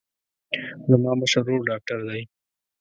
زما مشر ورور ډاکتر دی.